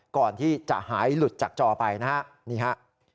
ก่อนที่จะหายหลุดจากจอไปนะฮะนี่ฮะ